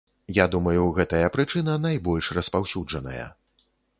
Я думаю, гэтая прычына найбольш распаўсюджаная.